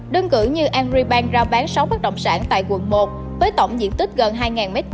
đơn cử như angribank ra bán sáu bất động sản tại quận một với tổng diện tích gần hai m hai